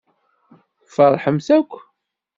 Tfeṛḥemt akk.